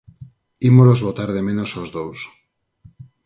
Ímolos botar de menos aos dous.